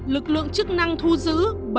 lực lượng chức năng thu giữ